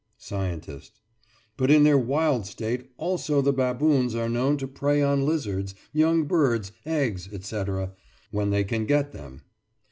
SCIENTIST: But in their wild state also the baboons are known to prey on lizards, young birds, eggs, etc., when they can get them.